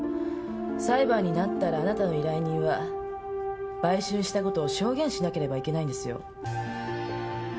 裁判になったらあなたの依頼人は買春したことを証言しなければいけないんですよ。